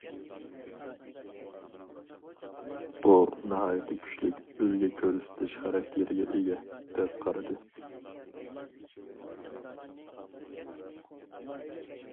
بۇ، ناھايىتى كۈچلۈك ئۈلگە كۆرسىتىش خاراكتېرىگە ئىگە، دەپ قارىدى.